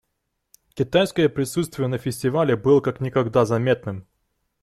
Китайское присутствие на фестивале было как никогда заметным.